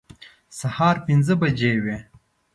سهار پنځه بجې وې.